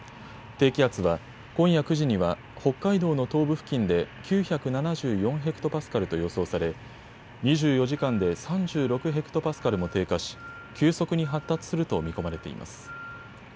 低気圧は今夜９時には北海道の東部付近で９７４ｈＰａと予想され２４時間で３６ｈＰａも低下し急速に発達すると見込まれています。